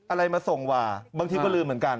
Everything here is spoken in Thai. อะไรมาส่งว่าบางทีก็ลืมเหมือนกัน